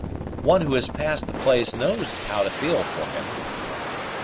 "One who has passed the place knows how to feel for him."